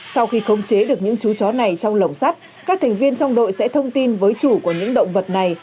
sau khi khống chế được những chú chó này trong lồng sắt các thành viên trong đội sẽ thông tin với chủ của những động vật này